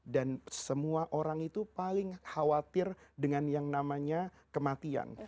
dan semua orang itu paling khawatir dengan yang namanya kematian